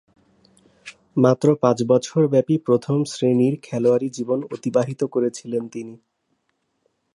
মাত্র পাঁচ বছরব্যাপী প্রথম-শ্রেণীর খেলোয়াড়ী জীবন অতিবাহিত করেছিলেন তিনি।